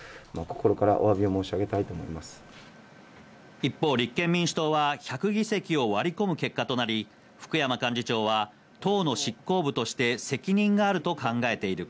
一方、立憲民主党は１００議席を割り込む結果となり、福山幹事長は党の執行部として責任があると考えている。